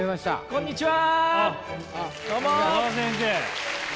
こんにちは。